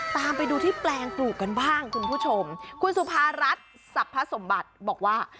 ตามไปดูที่แปลงปลูกกันบ้างคุณผู้ชมคุณสุภารัฐสรรพสมบัติบอกว่า